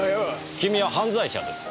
君は犯罪者です。